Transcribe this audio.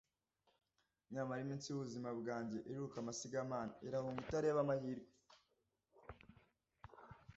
nyamara, iminsi y'ubuzima bwanjye iriruka amasigamana, irahunga itareba amahirwe